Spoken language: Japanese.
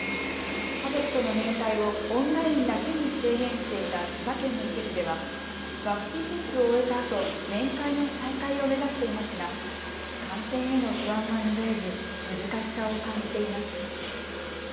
家族との面会をオンラインだけに制限していた千葉県の施設ではワクチン接種を終えたあと面会の再開を目指していますが感染への不安は拭えず難しさを感じています。